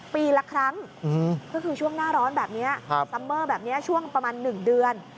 ปีละครั้งก็คือช่วงหน้าร้อนแบบนี้ซัมเมอร์แบบนี้ช่วงประมาณ๑เดือน